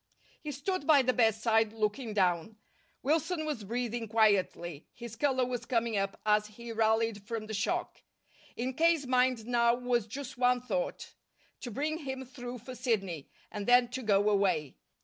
He stood by the bedside, looking down. Wilson was breathing quietly: his color was coming up, as he rallied from the shock. In K.'s mind now was just one thought to bring him through for Sidney, and then to go away.